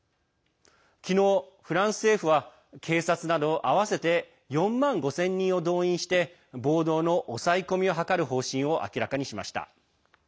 昨日、フランス政府は警察など合わせて４万５０００人を動員して暴動の抑え込みを図る方針を明らかにしました。